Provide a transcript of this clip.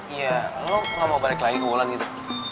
iya lo mau balik lagi ke wulan gitu